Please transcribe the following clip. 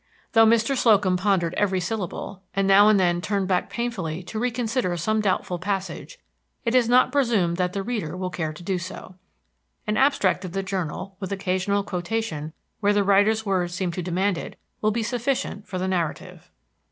Though Mr. Slocum pondered every syllable, and now and then turned back painfully to reconsider some doubtful passage, it is not presumed that the reader will care to do so. An abstract of the journal, with occasional quotation where the writer's words seem to demand it, will be sufficient for the narrative.